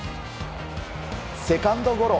セカンドゴロ。